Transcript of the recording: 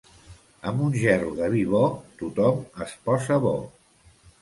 Amb un gerro de vi bo, tothom es posa bo.